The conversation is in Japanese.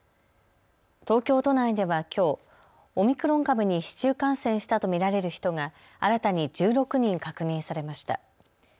東京都内ではきょうオミクロン株に市中感染したと見られる人が新たに１６人確認されました。